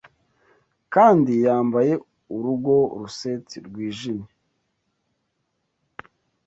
Kandi yambaye urugo russet rwijimye?